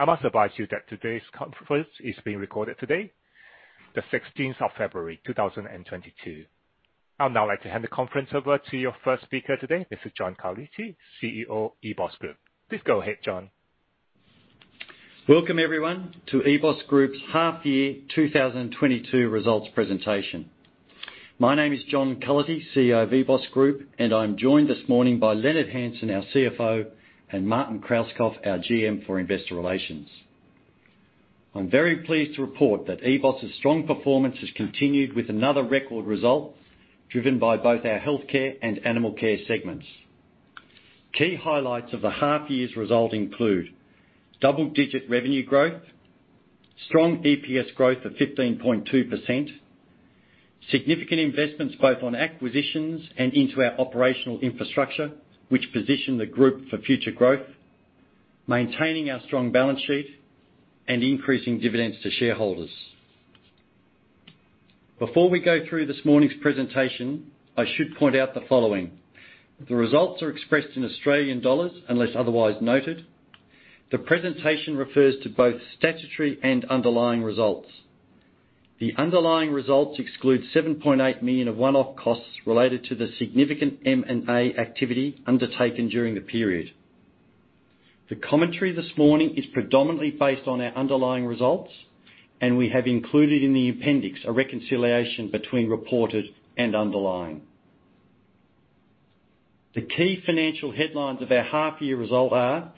I must advise you that today's conference is being recorded today, February 16, 2022. I'd now like to hand the conference over to your first speaker today, Mr. John Cullity, CEO, EBOS Group. Please go ahead, John. Welcome everyone to EBOS Group's Half-year 2022 Results Presentation. My name is John Cullity, CEO of EBOS Group, and I'm joined this morning by Leonard Hansen, our CFO, and Martin Krauskopf, our GM for Investor Relations. I'm very pleased to report that EBOS' strong performance has continued with another record result, driven by both our Healthcare and Animal Care segments. Key highlights of the half-year's result include double-digit revenue growth, strong EPS growth of 15.2%, significant investments both on acquisitions and into our operational infrastructure, which position the Group for future growth, maintaining our strong balance sheet, and increasing dividends to shareholders. Before we go through this morning's presentation, I should point out the following. The results are expressed in Australian dollars unless otherwise noted. The presentation refers to both statutory and underlying results. The underlying results exclude 7.8 million of one-off costs related to the significant M&A activity undertaken during the period. The commentary this morning is predominantly based on our underlying results, and we have included in the appendix a reconciliation between reported and underlying. The key financial headlines of our half year result are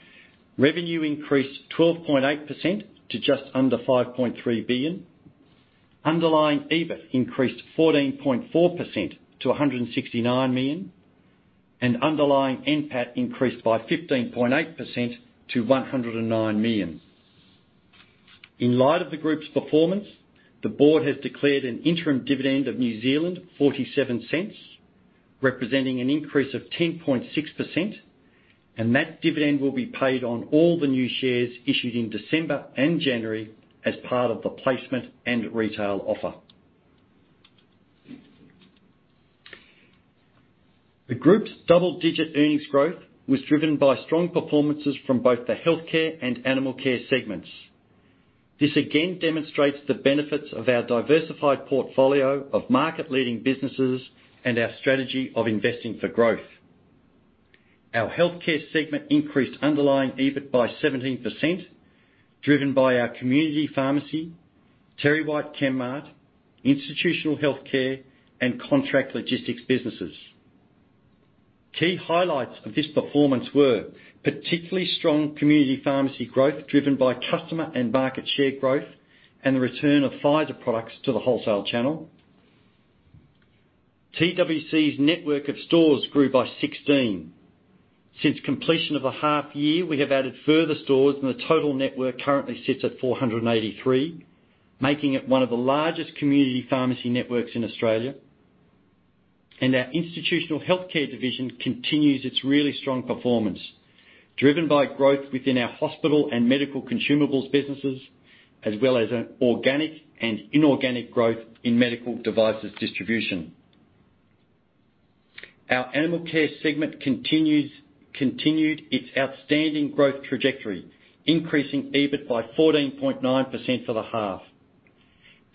revenue increased 12.8% to just under AUD 5.3 billion, underlying EBIT increased 14.4% to AUD 169 million, and underlying NPAT increased by 15.8% to AUD 109 million. In light of the Group's performance, the board has declared an interim dividend of 0.47, representing an increase of 10.6%, and that dividend will be paid on all the new shares issued in December and January as part of the placement and retail offer. The Group's double-digit earnings growth was driven by strong performances from both the Healthcare and Animal Care segments. This again demonstrates the benefits of our diversified portfolio of market-leading businesses and our strategy of investing for growth. Our Healthcare segment increased underlying EBIT by 17%, driven by Community Pharmacy, TerryWhite Chemmart, Institutional Healthcare, and Contract Logistics businesses. Key highlights of this performance were particularly strong Community Pharmacy growth, driven by customer and market share growth and the return of Pfizer products to the wholesale channel. TWC's network of stores grew by 16. Since completion of the half year, we have added further stores, and the total network currently sits at 483, making it one of the largest Community Pharmacy networks in Australia. Our Institutional Healthcare division continues its really strong performance, driven by growth within our hospital and medical consumables businesses, as well as an organic and inorganic growth in medical devices distribution. Our Animal Care segment continued its outstanding growth trajectory, increasing EBIT by 14.9% for the half.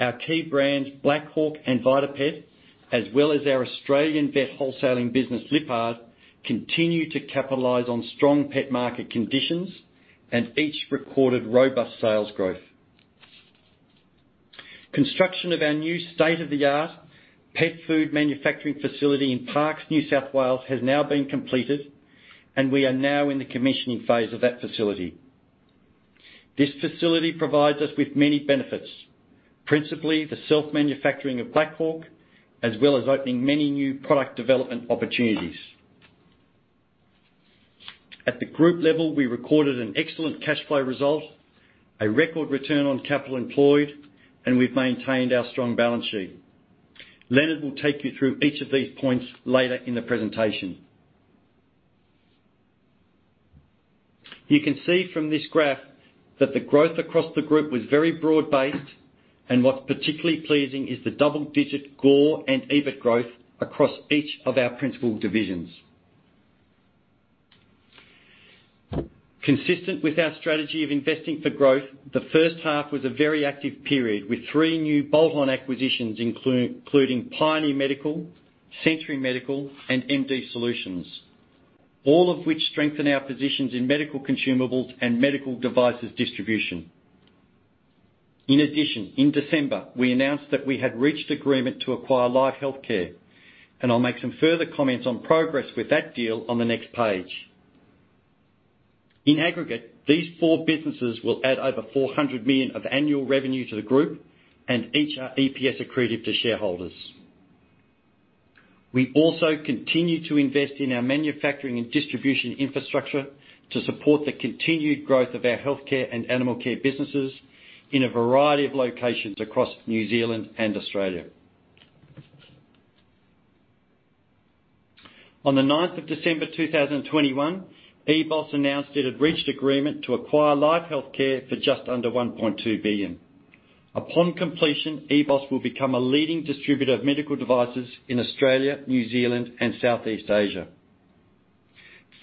Our key brands, Black Hawk and VitaPet, as well as our Australian vet wholesaling business, Lyppard, continue to capitalize on strong pet market conditions, and each recorded robust sales growth. Construction of our new state-of-the-art pet food manufacturing facility in Parkes, New South Wales, has now been completed, and we are now in the commissioning phase of that facility. This facility provides us with many benefits. Principally, the self-manufacturing of Black Hawk, as well as opening many new product development opportunities. At the roup level, we recorded an excellent cash flow result, a record return on capital employed, and we've maintained our strong balance sheet. Leonard will take you through each of these points later in the presentation. You can see from this graph that the growth across the Group was very broad-based, and what's particularly pleasing is the double digit GOR and EBIT growth across each of our principal divisions. Consistent with our strategy of investing for growth, the first half was a very active period, with three new bolt-on acquisitions, including Pioneer Medical, Sentry Medical, and MD Solutions, all of which strengthen our positions in medical consumables and medical devices distribution. In addition, in December, we announced that we had reached agreement to acquire LifeHealthcare, and I'll make some further comments on progress with that deal on the next page. In aggregate, these four businesses will add over 400 million of annual revenue to the Group, and each are EPS accretive to shareholders. We also continue to invest in our manufacturing and distribution infrastructure to support the continued growth of our Healthcare and Animal Care businesses in a variety of locations across New Zealand and Australia. On the ninth of December, 2021, EBOS announced it had reached agreement to acquire LifeHealthcare for just under 1.2 billion. Upon completion, EBOS will become a leading distributor of medical devices in Australia, New Zealand, and South East Asia.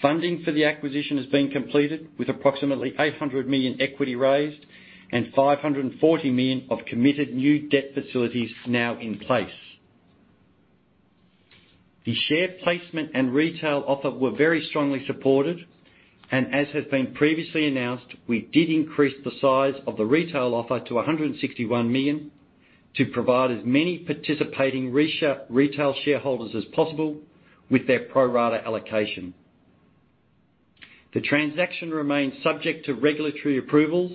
Funding for the acquisition has been completed with approximately 800 million equity raised and 540 million of committed new debt facilities now in place. The share placement and retail offer were very strongly supported, and as has been previously announced, we did increase the size of the retail offer to 161 million to provide as many participating retail shareholders as possible with their pro rata allocation. The transaction remains subject to regulatory approvals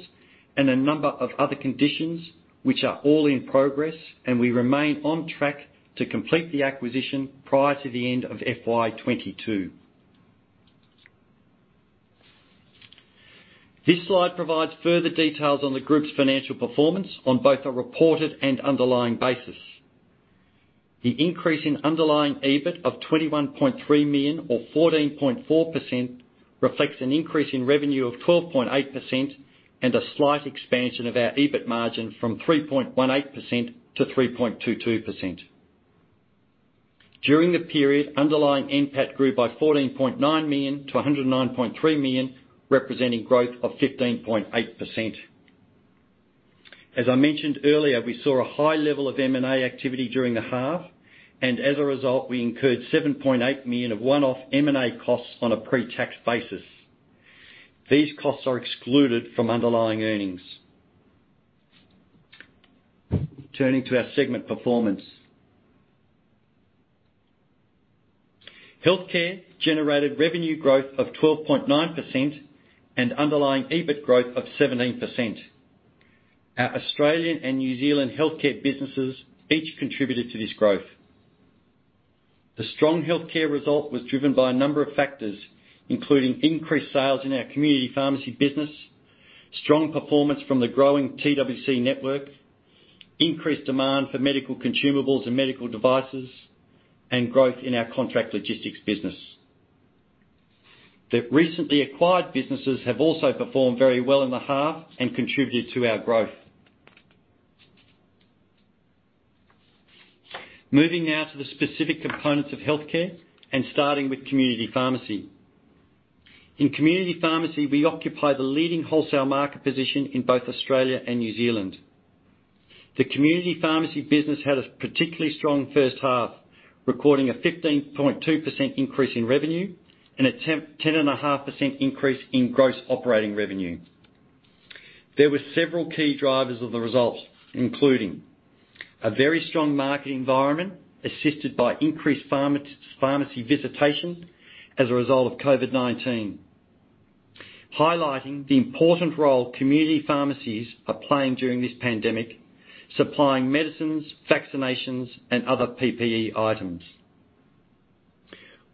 and a number of other conditions, which are all in progress, and we remain on track to complete the acquisition prior to the end of FY 2022. This slide provides further details on the Group's financial performance on both a reported and underlying basis. The increase in underlying EBIT of 21.3 million or 14.4% reflects an increase in revenue of 12.8% and a slight expansion of our EBIT margin from 3.18%-3.22%. During the period, underlying NPAT grew by 14.9 million-109.3 million, representing growth of 15.8%. As I mentioned earlier, we saw a high level of M&A activity during the half, and as a result, we incurred 7.8 million of one-off M&A costs on a pre-tax basis. These costs are excluded from underlying earnings. Turning to our segment performance. Healthcare generated revenue growth of 12.9% and underlying EBIT growth of 17%. Our Australian and New Zealand Healthcare businesses each contributed to this growth. The strong Healthcare result was driven by a number of factors, including increased sales in our Community Pharmacy business, strong performance from the growing TWC network, increased demand for medical consumables and medical devices, and growth in our Contract Logistics Business. The recently acquired businesses have also performed very well in the half and contributed to our growth. Moving now to the specific components of Healthcare and starting with Community Pharmacy. In Community Pharmacy, we occupy the leading wholesale market position in both Australia and New Zealand. The Community Pharmacy business had a particularly strong first half, recording a 15.2% increase in revenue and a 10.5% increase in gross operating revenue. There were several key drivers of the results, including a very strong market environment assisted by increased pharmacy visitation as a result of COVID-19, highlighting the important role Community Pharmacies are playing during this pandemic, supplying medicines, vaccinations, and other PPE items.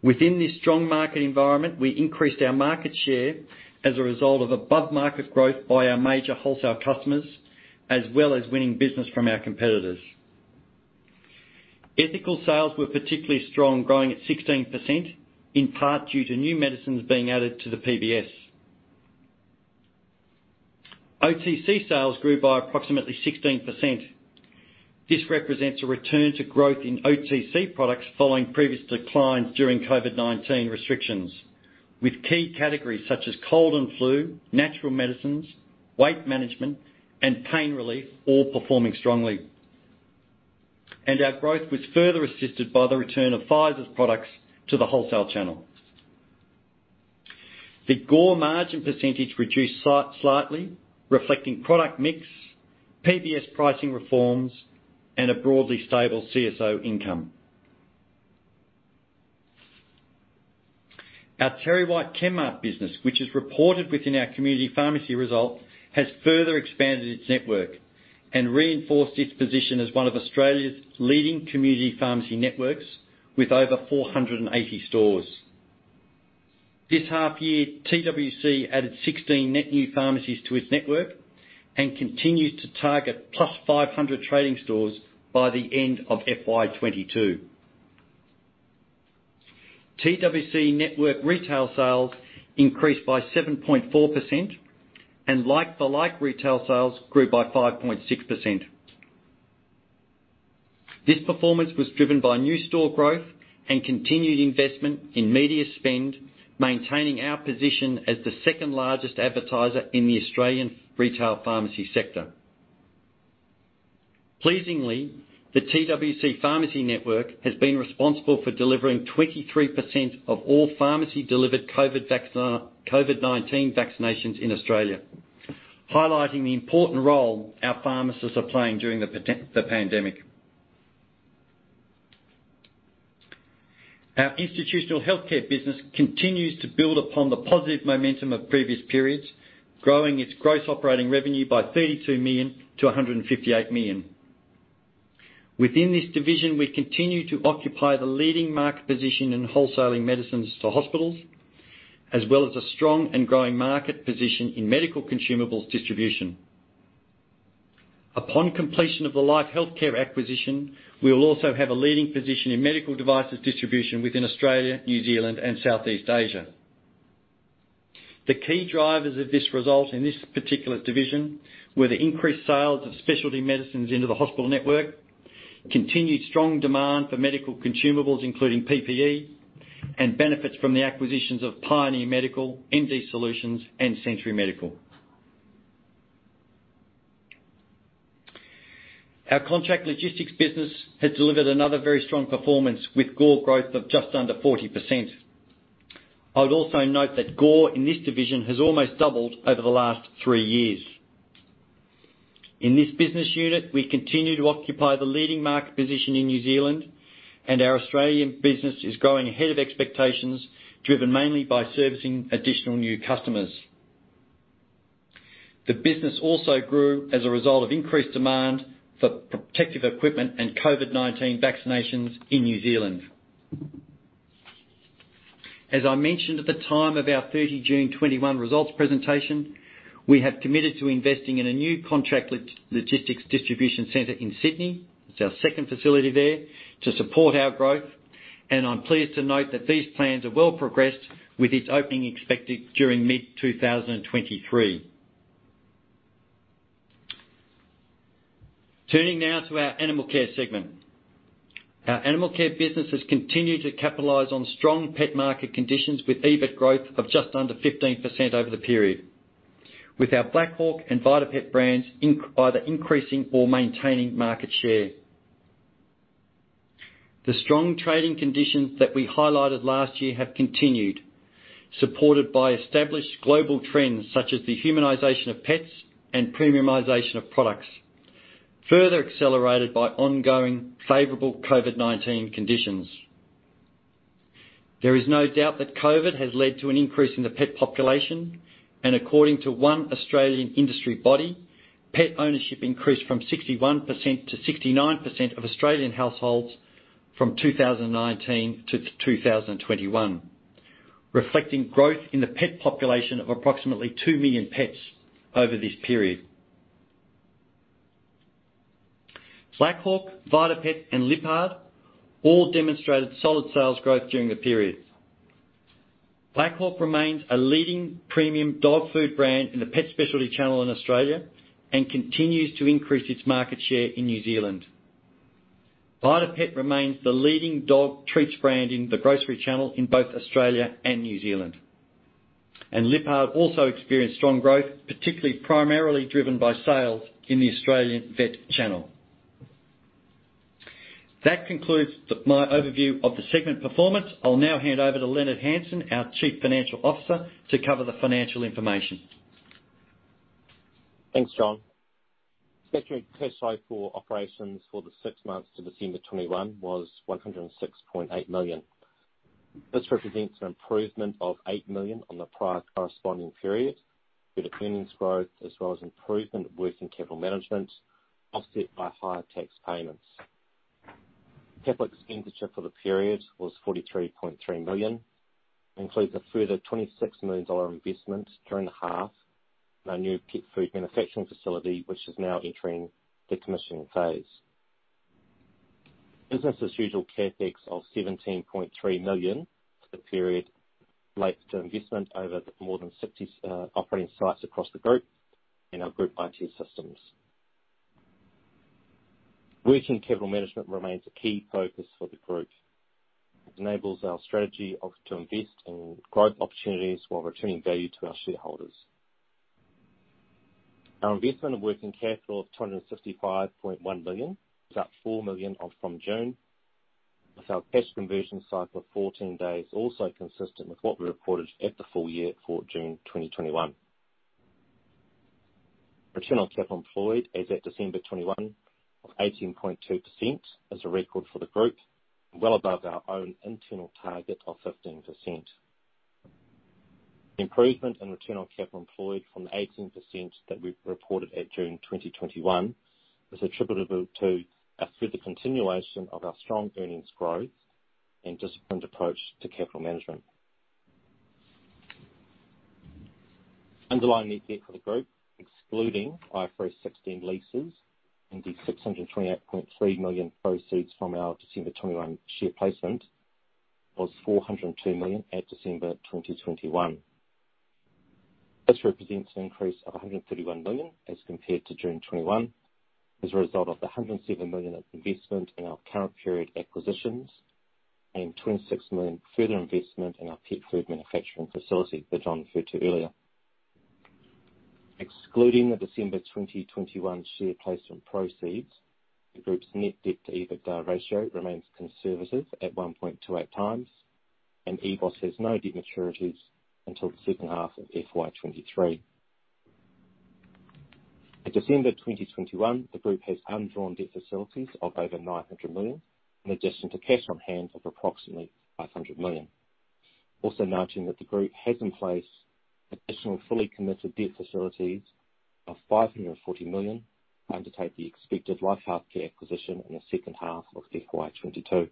Within this strong market environment, we increased our market share as a result of above-market growth by our major wholesale customers, as well as winning business from our competitors. Ethical sales were particularly strong, growing at 16%, in part due to new medicines being added to the PBS. OTC sales grew by approximately 16%. This represents a return to growth in OTC products following previous declines during COVID-19 restrictions, with key categories such as cold and flu, natural medicines, weight management, and pain relief all performing strongly. Our growth was further assisted by the return of Pfizer's products to the wholesale channel. The gross margin percentage reduced slightly, reflecting product mix, PBS pricing reforms, and a broadly stable CSO income. Our TerryWhite Chemmart business, which is reported within our Community Pharmacy result, has further expanded its network and reinforced its position as one of Australia's leading Community Pharmacy networks with over 480 stores. This half year, TWC added 16 net new pharmacies to its network and continues to target +500 trading stores by the end of FY 2022. TWC network retail sales increased by 7.4%, and like-for-like retail sales grew by 5.6%. This performance was driven by new store growth and continued investment in media spend, maintaining our position as the second-largest advertiser in the Australian retail pharmacy sector. Pleasingly, the TWC pharmacy network has been responsible for delivering 23% of all pharmacy-delivered COVID-19 vaccinations in Australia, highlighting the important role our pharmacists are playing during the pandemic. Our Institutional Healthcare business continues to build upon the positive momentum of previous periods, growing its gross operating revenue by 32 million-158 million. Within this division, we continue to occupy the leading market position in wholesaling medicines to hospitals, as well as a strong and growing market position in medical consumables distribution. Upon completion of the LifeHealthcare acquisition, we will also have a leading position in medical devices distribution within Australia, New Zealand, and Southeast Asia. The key drivers of this result in this particular division were the increased sales of specialty medicines into the hospital network, continued strong demand for medical consumables, including PPE, and benefits from the acquisitions of Pioneer Medical, MD Solutions, and Sentry Medical. Our contract logistics business has delivered another very strong performance with GOR growth of just under 40%. I would also note that GOR in this division has almost doubled over the last three years. In this business unit, we continue to occupy the leading market position in New Zealand, and our Australian business is growing ahead of expectations, driven mainly by servicing additional new customers. The business also grew as a result of increased demand for protective equipment and COVID-19 vaccinations in New Zealand. As I mentioned at the time of our 30 June 2021 results presentation, we have committed to investing in a new contract logistics distribution center in Sydney, it's our second facility there, to support our growth. I'm pleased to note that these plans are well progressed, with its opening expected during mid-2023. Turning now to our Animal Care segment. Our Animal Care business has continued to capitalize on strong pet market conditions with EBIT growth of just under 15% over the period, with our Black Hawk and VitaPet brands either increasing or maintaining market share. The strong trading conditions that we highlighted last year have continued, supported by established global trends such as the humanization of pets and premiumization of products, further accelerated by ongoing favorable COVID-19 conditions. There is no doubt that COVID has led to an increase in the pet population, and according to one Australian industry body, pet ownership increased from 61% to 69% of Australian households from 2019 to 2021, reflecting growth in the pet population of approximately two million pets over this period. Black Hawk, VitaPet, and Lyppard all demonstrated solid sales growth during the period. Black Hawk remains a leading premium dog food brand in the pet specialty channel in Australia and continues to increase its market share in New Zealand. VitaPet remains the leading dog treats brand in the grocery channel in both Australia and New Zealand. Lyppard also experienced strong growth, particularly primarily driven by sales in the Australian vet channel. That concludes my overview of the segment performance. I'll now hand over to Leonard Hansen, our Chief Financial Officer, to cover the financial information. Thanks, John. Statutory pre-tax for operations for the six months to December 2021 was 106.8 million. This represents an improvement of 8 million on the prior corresponding period with earnings growth as well as improvement of working capital management offset by higher tax payments. CapEx expenditure for the period was 43.3 million, includes a further 26 million dollar investment during the half in our new pet food manufacturing facility, which is now entering the commissioning phase. Business as usual CapEx of 17.3 million for the period relates to investment over more than 60 operating sites across the Group and our Group IT systems. Working capital management remains a key focus for the Group. It enables our strategy of to invest in growth opportunities while returning value to our shareholders. Our investment of working capital of AUD 265.1 million is up AUD 4 million from June, with our cash conversion cycle of 14 days also consistent with what we reported at the full year for June 2021. Return on capital employed as at December 2021 of 18.2% is a record for the Group and well above our own internal target of 15%. Improvement in return on capital employed from the 18% that we reported at June 2021 is attributable to a further continuation of our strong earnings growth and disciplined approach to capital management. Underlying net debt for the Group, excluding IFRS 16 leases and the 628.3 million proceeds from our December 2021 share placement, was 402 million at December 2021. This represents an increase of 131 million as compared to June 2021 as a result of a 107 million of investment in our current period acquisitions and 26 million further investment in our pet food manufacturing facility that John referred to earlier. Excluding the December 2021 share placement proceeds, the Group's net debt-to-EBITDA ratio remains conservative at 1.28x, and EBOS has no debt maturities until the second half of FY 2023. At December 2021, the Group has undrawn debt facilities of over 900 million, in addition to cash on hand of approximately 500 million. Also noting that the Group has in place additional fully committed debt facilities of 540 million to undertake the expected LifeHealthcare acquisition in the second half of FY 2022.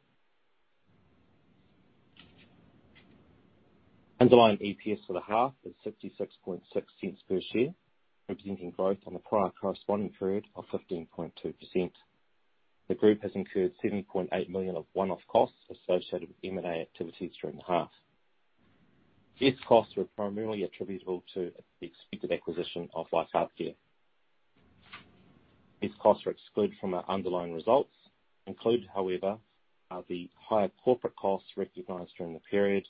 Underlying EPS for the half is 0.666 per share, representing growth on the prior corresponding period of 15.2%. The Group has incurred 7.8 million of one-off costs associated with M&A activities during the half. These costs were primarily attributable to the expected acquisition of LifeHealthcare. These costs are excluded from our underlying results. Included, however, are the higher corporate costs recognized during the period,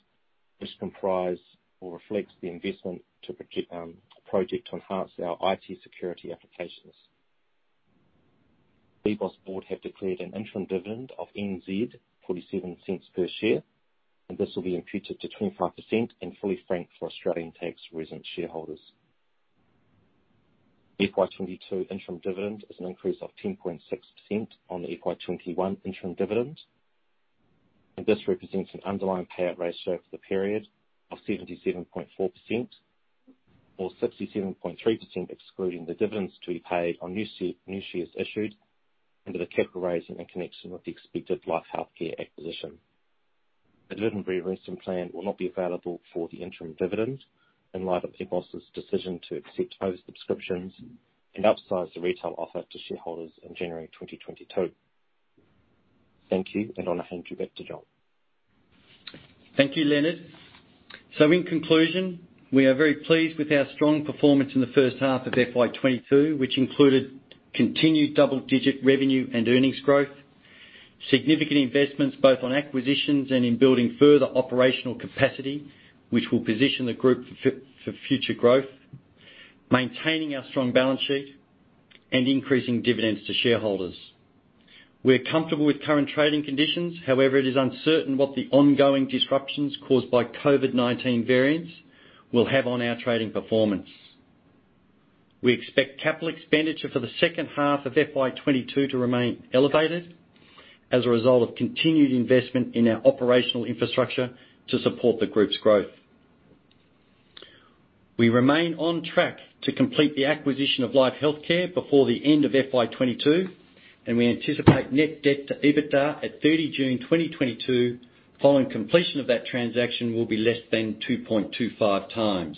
which comprise or reflect the investment to protect to enhance our IT security applications. EBOS board has declared an interim dividend of 0.47 per share, and this will be imputed to 25% and fully franked for Australian tax resident shareholders. FY 2022 interim dividend is an increase of 10.6% on the FY 2021 interim dividend. This represents an underlying payout ratio for the period of 77.4% or 67.3%, excluding the dividends to be paid on new shares issued under the capital raise in connection with the expected LifeHealthcare acquisition. The dividend reinvestment plan will not be available for the interim dividend in light of EBOS's decision to accept those subscriptions and upsize the retail offer to shareholders in January 2022. Thank you, and I'll hand you back to John. Thank you, Leonard. In conclusion, we are very pleased with our strong performance in the first half of FY 2022, which included continued double-digit revenue and earnings growth, significant investments both on acquisitions and in building further operational capacity, which will position the Group for future growth, maintaining our strong balance sheet, and increasing dividends to shareholders. We're comfortable with current trading conditions. However, it is uncertain what the ongoing disruptions caused by COVID-19 variants will have on our trading performance. We expect capital expenditure for the second half of FY 2022 to remain elevated as a result of continued investment in our operational infrastructure to support the Group's growth. We remain on track to complete the acquisition of LifeHealthcare before the end of FY 2022, and we anticipate net debt to EBITDA at 30 June 2022, following completion of that transaction will be less than 2.25x.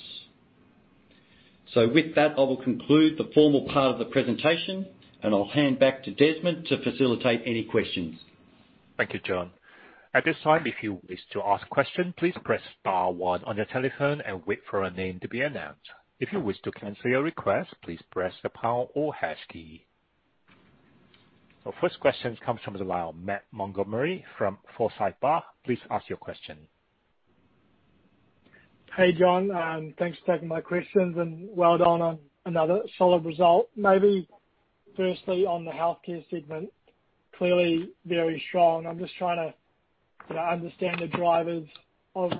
With that, I will conclude the formal part of the presentation, and I'll hand back to Desmond to facilitate any questions. Thank you, John. At this time, if you wish to ask a question, please press star one on your telephone and wait for a name to be announced. If you wish to cancel your request, please press the pound or hash key. Our first question comes from the line of Matt Montgomerie from Forsyth Barr. Please ask your question. Hey, John. Thanks for taking my questions and well done on another solid result. Maybe firstly on the Healthcare segment, clearly very strong. I'm just trying to, you know, understand the drivers of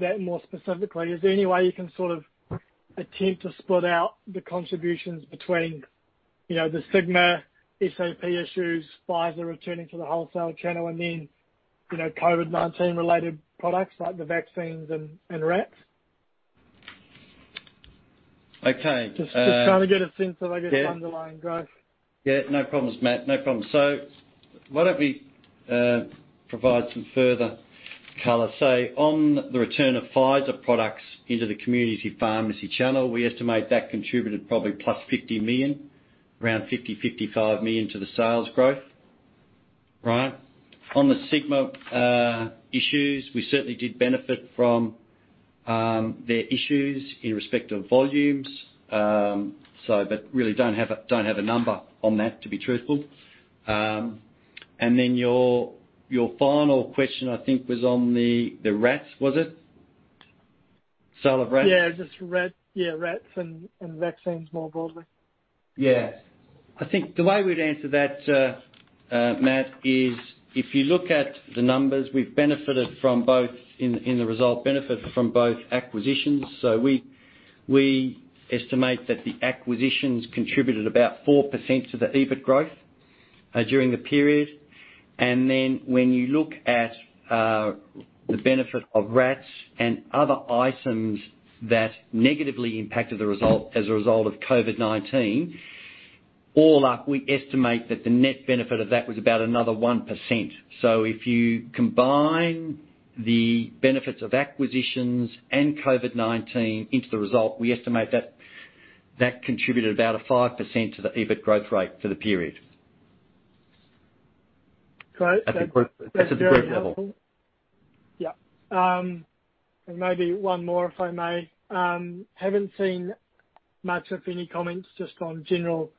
that more specifically. Is there any way you can sort of attempt to split out the contributions between, you know, the Sigma SAP issues, Pfizer returning to the wholesale channel, and then, you know, COVID-19 related products like the vaccines and RATs? Okay. Just trying to get a sense of, I guess- Yeah. -underlying growth. Yeah, no problems, Matt. No problem. Why don't we provide some further color, say, on the return of Pfizer products into the Community Pharmacy channel. We estimate that contributed probably +50 million, around 50 million-55 million to the sales growth. Right. On the Sigma issues, we certainly did benefit from their issues in respect of volumes. But really don't have a number on that, to be truthful. Then your final question, I think, was on the RATs was it? Sale of RATs? Yeah, just RATs, yeah, RATs and vaccines more broadly. Yeah. I think the way we'd answer that, Matt, is if you look at the numbers, we've benefited from both acquisitions in the result. We estimate that the acquisitions contributed about 4% to the EBIT growth during the period. When you look at the benefit of RATs and other items that negatively impacted the result as a result of COVID-19, all up, we estimate that the net benefit of that was about another 1%. If you combine the benefits of acquisitions and COVID-19 into the result, we estimate that that contributed about 5% to the EBIT growth rate for the period. Great. That's very helpful. At the Group level. Yeah. Maybe one more, if I may. Haven't seen much of any comments just on general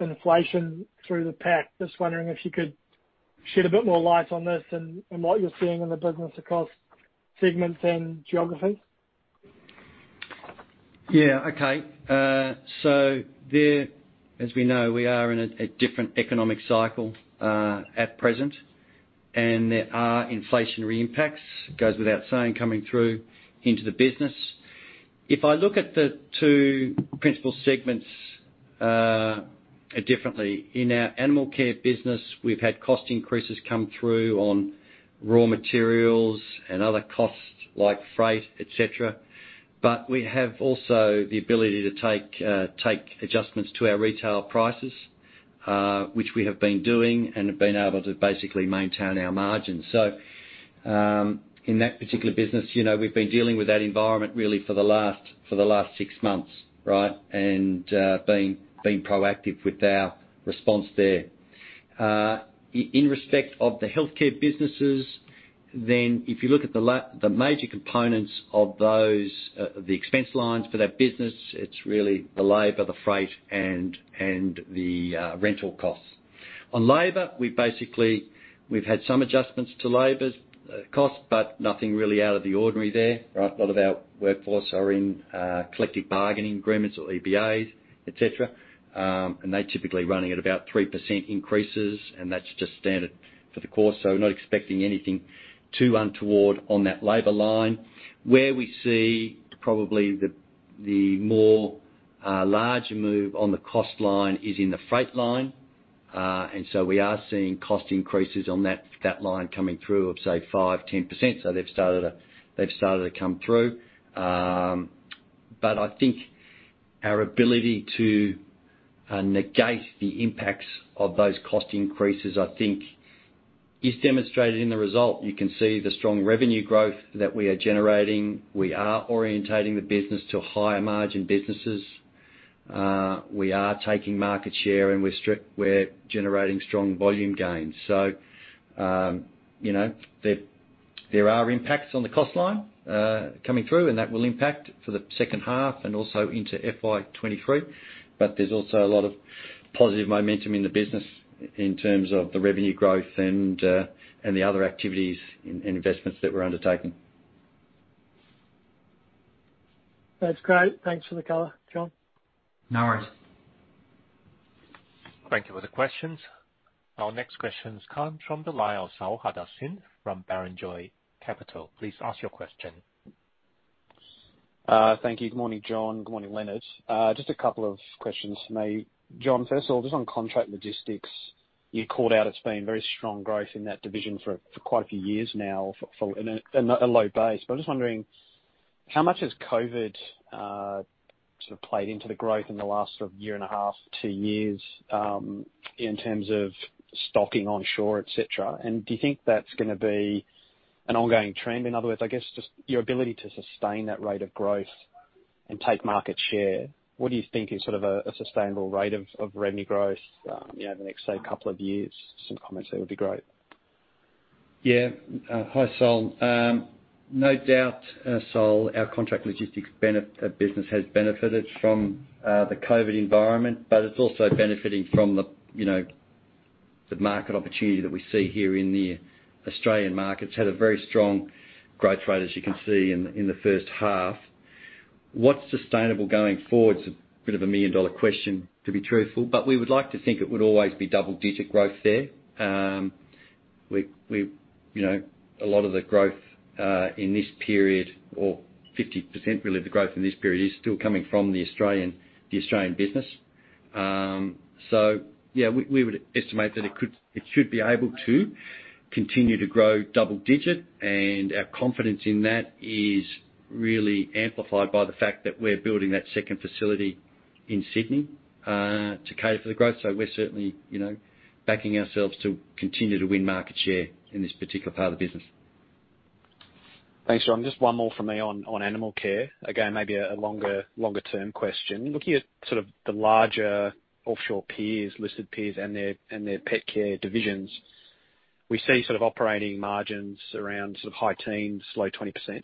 inflation through the pack. Just wondering if you could shed a bit more light on this and what you're seeing in the business across segments and geographies. Yeah, okay. There, as we know, we are in a different economic cycle at present, and there are inflationary impacts, goes without saying, coming through into the business. If I look at the two principal segments differently, in our Animal Care business, we've had cost increases come through on raw materials and other costs like freight, et cetera. But we have also the ability to take adjustments to our retail prices, which we have been doing and have been able to basically maintain our margins. In that particular business, you know, we've been dealing with that environment really for the last six months, right? Being proactive with our response there. In respect of the Healthcare businesses, if you look at the la- The major components of those, the expense lines for that business, it's really the labor, the freight, and the rental costs. On labor, we've had some adjustments to labor costs, but nothing really out of the ordinary there, right? A lot of our workforce are in collective bargaining agreements or EBAs, etc., and they're typically running at about 3% increases, and that's just par for the course. We're not expecting anything too untoward on that labor line. Where we see probably the more larger move on the cost line is in the freight line. We are seeing cost increases on that line coming through of, say, 5%-10%. They've started to come through. I think our ability to negate the impacts of those cost increases, I think is demonstrated in the result. You can see the strong revenue growth that we are generating. We are orientating the business to higher margin businesses. We are taking market share, and we're generating strong volume gains. You know, there are impacts on the cost line coming through, and that will impact for the second half and also into FY 2023. There's also a lot of positive momentum in the business in terms of the revenue growth and the other activities and investments that we're undertaking. That's great. Thanks for the color, John. No worries. Thank you for the questions. Our next question comes from the line of Saul Hadassin from Barrenjoey Capital. Please ask your question. Thank you. Good morning, John. Good morning, Leonard. Just a couple of questions from me. John, first of all, just on contract logistics, you called out it's been very strong growth in that division for quite a few years now from a low base. I'm just wondering how much has COVID sort of played into the growth in the last sort of year and a half, two years, in terms of stocking onshore, et cetera? And do you think that's gonna be an ongoing trend? In other words, I guess just your ability to sustain that rate of growth and take market share, what do you think is sort of a sustainable rate of revenue growth, you know, the next, say, couple of years? Some comments there would be great. Hi, Saul. No doubt, Saul, our contract logistics business has benefited from the COVID environment, but it's also benefiting from the, you know, the market opportunity that we see here in the Australian market. It's had a very strong growth rate, as you can see in the first half. What's sustainable going forward is a bit of a million-dollar question, to be truthful, but we would like to think it would always be double-digit growth there. We, you know, a lot of the growth in this period is about 50%, really the growth in this period is still coming from the Australian business. Yeah, we would estimate that it should be able to continue to grow double-digit, and our confidence in that is really amplified by the fact that we're building that second facility in Sydney to cater for the growth. We're certainly, you know, backing ourselves to continue to win market share in this particular part of the business. Thanks, John. Just one more for me on Animal Care. Again, maybe a longer-term question. Looking at sort of the larger offshore peers, listed peers, and their pet care divisions, we see sort of operating margins around sort of high teens, low 20%.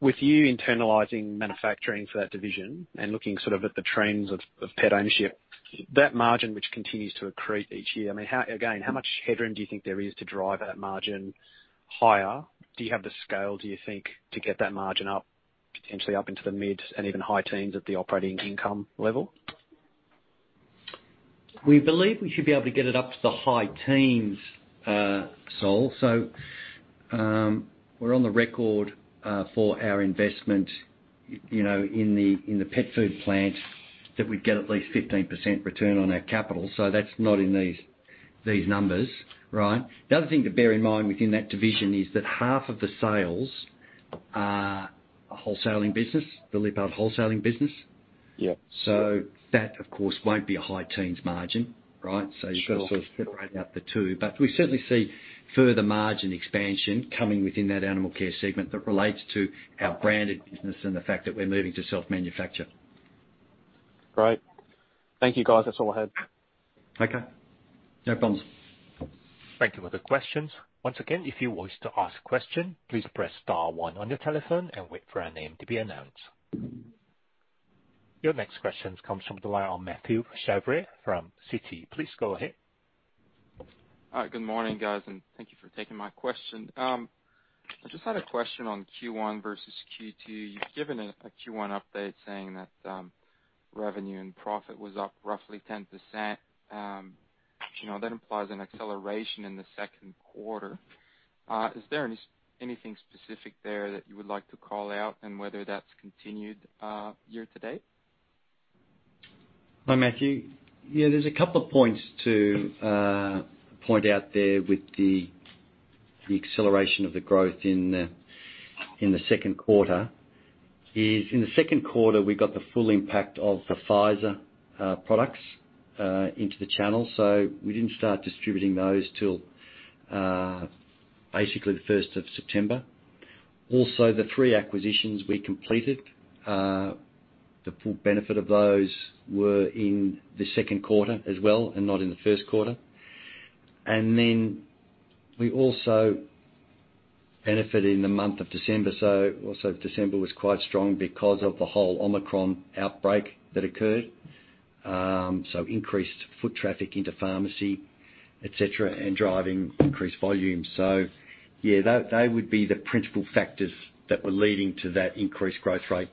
With you internalizing manufacturing for that division and looking sort of at the trends of pet ownership, that margin which continues to accrete each year, I mean, how, again, how much headroom do you think there is to drive that margin higher? Do you have the scale, do you think, to get that margin up, potentially up into the mid and even high teens at the operating income level? We believe we should be able to get it up to the high teens, Saul. We're on the record for our investment in the pet food plant that we'd get at least 15% return on our capital. That's not in these numbers, right? The other thing to bear in mind within that division is that half of the sales are a wholesaling business, the Lyppard wholesaling business. Yeah. That, of course, won't be a high-teens margin, right? Sure. You've got to sort of separate out the two. We certainly see further margin expansion coming within that Animal Care segment that relates to our branded business and the fact that we're moving to self-manufacture. Great. Thank you, guys. That's all I had. Okay. No problems. Thank you for the questions. Once again, if you wish to ask a question, please press star one on your telephone and wait for your name to be announced. Your next question comes from the line of Mathieu Chevrier from Citi. Please go ahead. Good morning, guys, and thank you for taking my question. I just had a question on Q1 versus Q2. You've given a Q1 update saying that revenue and profit was up roughly 10%. You know, that implies an acceleration in the Q2. Is there anything specific there that you would like to call out and whether that's continued year to date? Hi, Mathieu. Yeah, there's a couple of points to point out there with the acceleration of the growth in the Q2. In the Q2, we got the full impact of the Pfizer products into the channel. We didn't start distributing those till basically the first of September. Also, the three acquisitions we completed, the full benefit of those were in the Q2 as well, and not in the Q1. Then we also benefited in the month of December. Also December was quite strong because of the whole Omicron outbreak that occurred, increased foot traffic into pharmacy, et cetera, and driving increased volumes. Yeah, they would be the principal factors that were leading to that increased growth rate,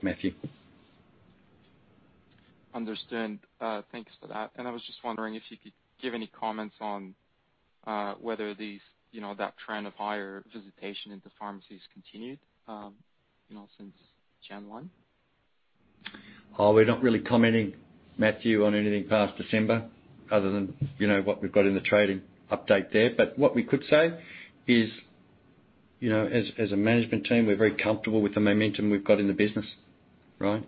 Mathieu. Understood. Thanks for that. I was just wondering if you could give any comments on whether these, you know, that trend of higher visitation into pharmacies continued, you know, since January 1. Oh, we're not really commenting, Mathieu, on anything past December other than, you know, what we've got in the trading update there. What we could say is, you know, as a management team, we're very comfortable with the momentum we've got in the business, right?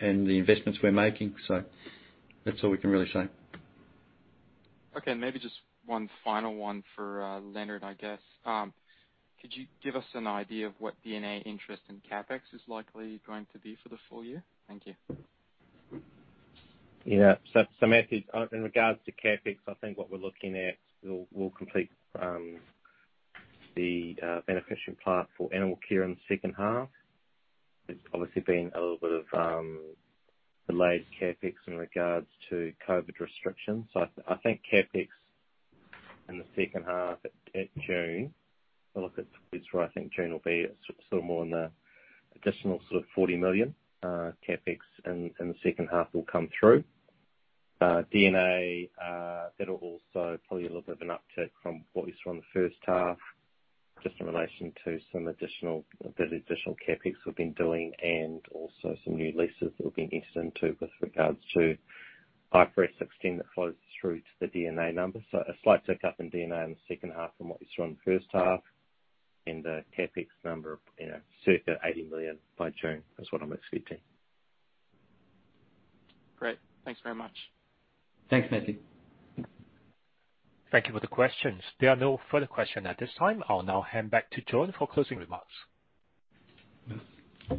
The investments we're making, so that's all we can really say. Okay, maybe just one final one for Leonard, I guess. Could you give us an idea of what D&A interest in CapEx is likely going to be for the full year? Thank you. Mathieu, in regards to CapEx, I think what we're looking at, we'll complete the beneficiation plant for Animal Care in the second half. There's obviously been a little bit of delayed CapEx in regards to COVID restrictions. I think CapEx in the second half at June, if I look at, what's right. i think june will be sort of more in the additional sort of 40 million CapEx, in the second half will come through. D&A, it'll also probably a little bit of an uptick from what we saw in the first half, just in relation to some additional CapEx we've been doing and also some new leases that have been entered into with regards to IFRS 16 that flows through to the D&A numbers. So a slight pickup in D&A in the second half from what we saw in the first half, and the CapEx number of circa 80 million by June, that's what i'm expecting. Great. Thanks very much. Thanks, Mathieu. Thank you for the questions. There are no further questions at this time. I'll now hand back to John for closing remarks.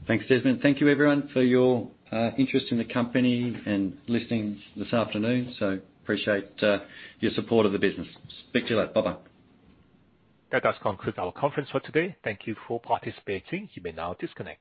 Thanks, Desmond. Thank you everyone for your interest in the company and listening this afternoon, so I appreciate your support of the business. Speak to you later. Bye-bye. That concludes our conference for today. Thank you for participating. You may now disconnect.